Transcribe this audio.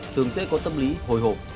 thường sẽ có tâm lý hồi hộp